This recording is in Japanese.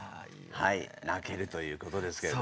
はい「泣ける」ということですけれど。